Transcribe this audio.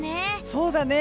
そうだね。